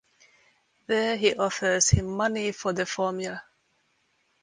There he offers him money for the formula.